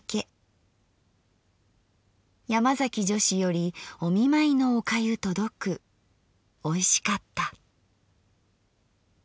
「山崎女史よりお見舞のおかゆとどくおいしかった」。